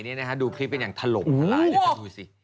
ก็ในออนไลน์ดูคลิปเป็นอย่างถลมดูดูสิ